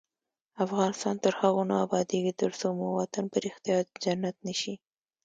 افغانستان تر هغو نه ابادیږي، ترڅو مو وطن په ریښتیا جنت نشي.